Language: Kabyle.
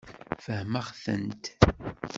Fehmeɣ-tent.